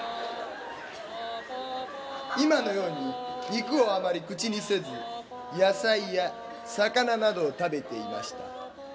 パパパ今のように肉をあまり口にせず野菜や魚などを食べていました。